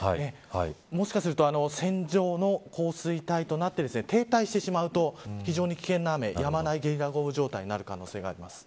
もしかすると線状の降水帯となって停滞してしまうと非常に危険な雨やまないゲリラ豪雨状態になる可能性があります。